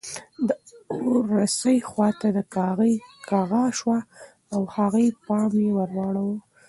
د اورسۍ خواته د کاغۍ کغا شوه او د هغې پام یې ور واړاوه.